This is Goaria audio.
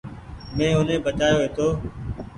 مين اوني بچآيو هيتو۔